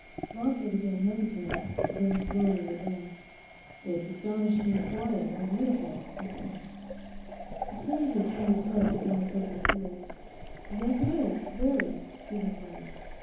Lawford again hesitated, then slowly advanced. 'It's astonishingly quiet and beautiful,' he said. The stranger turned his head to glance over the fields. 'Yes, it is, very,' he replied.